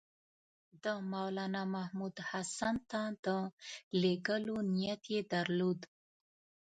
د مولنامحمود حسن ته د لېږلو نیت یې درلود.